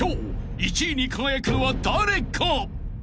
１位に輝くのは誰か！？］